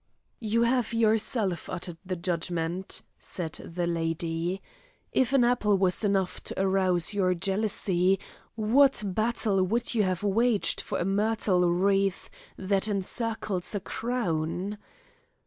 "You have yourself uttered the judgment," said the lady; "if an apple was enough to arouse your jealousy, what battle would you have waged for a myrtle wreath that encircles a crown."